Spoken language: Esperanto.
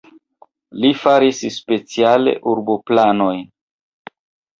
Li faris speciale urboplanojn.